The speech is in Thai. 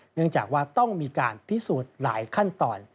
เนื่องจากว่าต้องมีการพิสูจน์หลายขั้นตอน